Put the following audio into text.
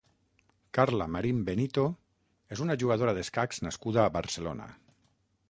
Carla Marín Benito és una jugadora d'escacs nascuda a Barcelona.